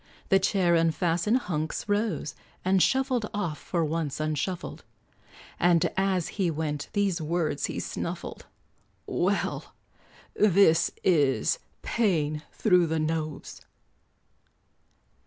The chair unfastened, Hunks rose, And shuffled off, for once unshuffled; And as he went, these words he snuffled "Well, this is 'paying thro' the nose.'"